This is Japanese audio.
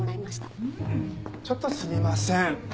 ちょっとすみません。